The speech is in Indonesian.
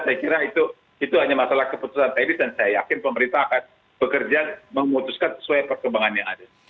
saya kira itu hanya masalah keputusan teknis dan saya yakin pemerintah akan bekerja memutuskan sesuai perkembangan yang ada